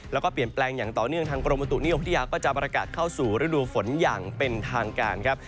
แล้วก็เปลี่ยนแปลงอย่างต่อเนื่องทางกรมบุตุนิยมพัทยาก็จะประกาศเข้าสู่ฤดูฝนอย่างเป็นทางการครับ